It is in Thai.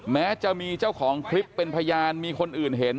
แม้จะมีเจ้าของคลิปเป็นพยานมีคนอื่นเห็น